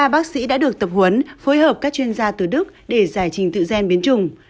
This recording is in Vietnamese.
ba bác sĩ đã được tập huấn phối hợp các chuyên gia từ đức để giải trình tự gen biến chủng